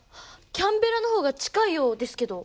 キャンベラのほうが近いようですけど。